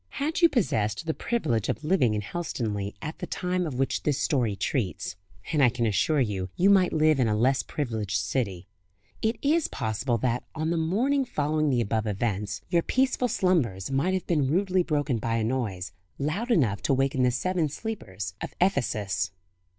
Had you possessed the privilege of living in Helstonleigh at the time of which this story treats and I can assure you you might live in a less privileged city it is possible that, on the morning following the above events, your peaceful slumbers might have been rudely broken by a noise, loud enough to waken the seven sleepers of Ephesus.